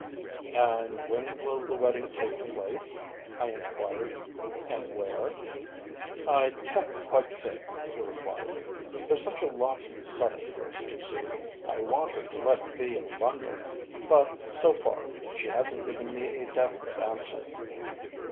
"And when will the wedding take place?" I enquired. "And where?" "I can't quite say," he replied; "there's such a lot to be settled first, you see. I want her to let it be in London, but, so far, she hasn't given me a definite answer."